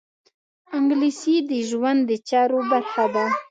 انګلیسي د ژوند د چارو برخه ده